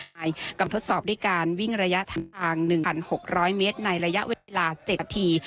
หากำทดสอบด้วยการวิ่งระยะทาง๑๖๐๐เมตรในระยะเวลา๗ที